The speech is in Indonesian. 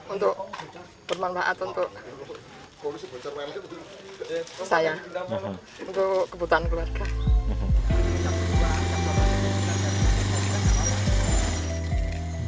untuk bermanfaat untuk saya untuk kebutuhan keluarga